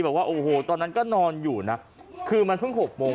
บอกว่าโอ้โหตอนนั้นก็นอนอยู่นะคือมันเพิ่ง๖โมง